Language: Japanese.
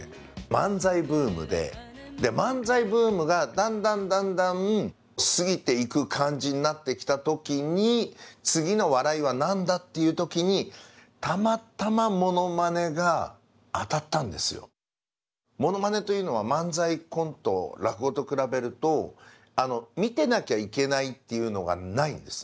漫才ブームで漫才ブームがだんだんだんだん過ぎていく感じになってきた時にモノマネというのは漫才コント落語と比べると見てなきゃいけないっていうのがないんですね。